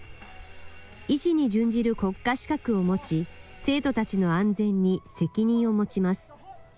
医師に準じる国家資格を持ち、生徒たちの安全に責任を持ちます。